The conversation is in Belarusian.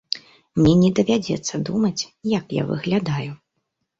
Мне не давядзецца думаць, як я выглядаю.